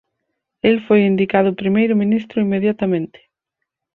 El foi indicado primeiro ministro inmediatamente.